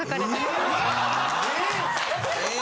・え